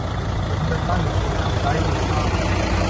Das Unterfangen hängt am seidenen Faden.